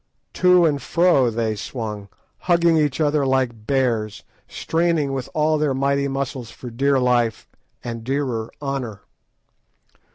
To and fro they swung, hugging each other like bears, straining with all their mighty muscles for dear life, and dearer honour.